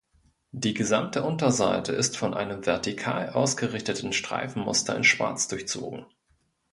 Die gesamte Unterseite ist von einem vertikal ausgerichteten Streifenmuster in schwarz durchzogen.